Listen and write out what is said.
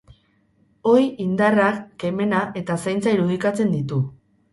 Ohi, indarra, kemena eta zaintza irudikatzen ditu.